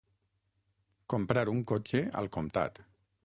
Comprar un cotxe al comptat.